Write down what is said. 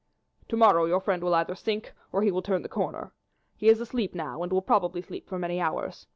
"To morrow your friend will either sink or he will turn the corner. He is asleep now and will probably sleep for many hours.